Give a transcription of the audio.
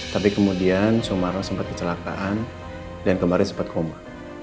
tapi kemudian sumarno sempat kecelakaan dan kemarin sempat koma